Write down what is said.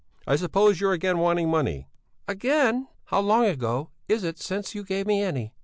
I suppose you're again wanting money?" "Again? How long ago is it since you gave me any?"